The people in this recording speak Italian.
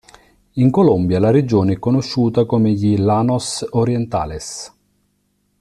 In Colombia la regione è conosciuta come gli Llanos Orientales.